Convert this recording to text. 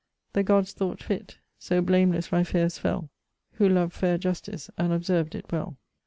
'The gods thought fit. So blameless Ripheus fell, Who lov'd fair Justice, and observ'd it well.'